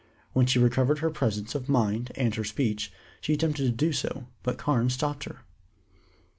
When she recovered her presence of mind and her speech, she attempted to do so, but Carne stopped her.